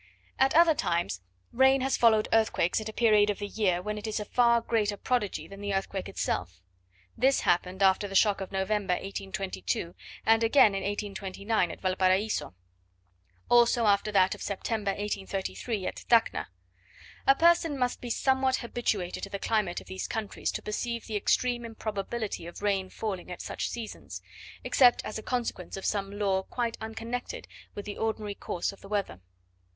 At other times rain has followed earthquakes at a period of the year when it is a far greater prodigy than the earthquake itself: this happened after the shock of November, 1822, and again in 1829, at Valparaiso; also after that of September, 1833, at Tacna. A person must be somewhat habituated to the climate of these countries to perceive the extreme improbability of rain falling at such seasons, except as a consequence of some law quite unconnected with the ordinary course of the weather.